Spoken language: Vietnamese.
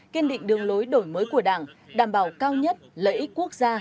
kiên định đường lối đổi mới của đảng đảm bảo cao nhất lợi ích quốc gia